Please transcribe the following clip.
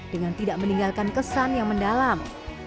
dengan tidak meninggalkan kesan yang mendalam